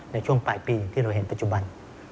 ในช่วงปลายปีที่เราเห็นปัจจุบัน